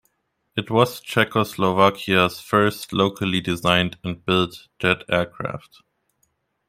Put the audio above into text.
It was Czechoslovakia's first locally designed and built jet aircraft.